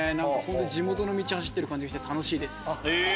地元の道走ってる感じがして楽しいです。